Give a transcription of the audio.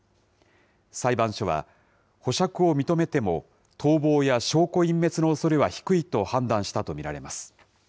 裁判所は、保釈を認めても逃亡や証拠隠滅のおそれは低いと判断したと見られます。